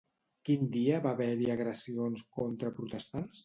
Quin dia va haver-hi agressions contra protestants?